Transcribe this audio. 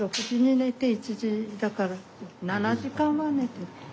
６時に寝て１時だから７時間は寝てる。